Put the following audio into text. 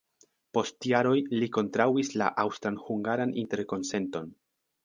Post jaroj li kontraŭis la Aŭstran-hungaran interkonsenton.